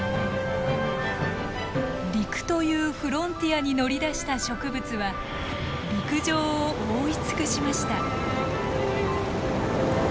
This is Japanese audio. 陸というフロンティアに乗り出した植物は陸上を覆い尽くしました。